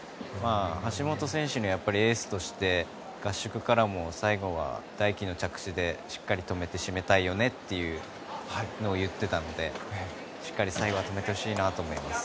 橋本選手はエースとして合宿からも最後は、大輝の着地でしっかり止めて締めたいよねというのを言っていたのでしっかり最後は止めてほしいなと思います。